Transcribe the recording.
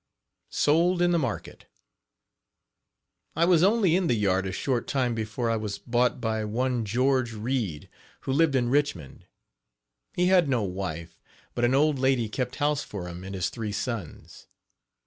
SOLD IN THE MARKET. I was only in the yard a short time before I was Page 10 bought by one George Reid who lived in Richmond. He had no wife, but an old lady kept house for him and his three sons.